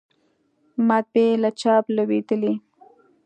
مطبعې له چاپ لویدلې